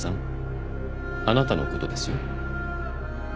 あなたのことですよ。